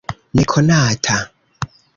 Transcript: nekonata